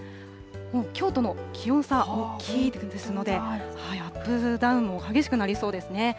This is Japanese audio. きょうとの気温差大きいですので、アップダウンも激しくなりそうですね。